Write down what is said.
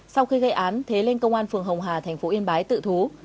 sau khi gây án thế lên công an phường hồng hà thành phố yên bái tự thú